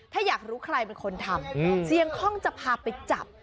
ถ้าอยากรู้ใครเป็นคนทำเสียงคล่องจะพาไปจับ